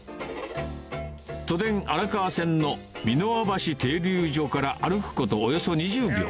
都電荒川線の三ノ輪橋停留所から歩くことおよそ２０秒。